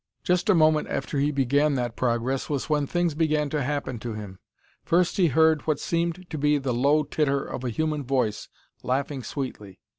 Just a moment after he began that progress was when things began to happen to him. First he heard what seemed to be the low titter of a human voice laughing sweetly.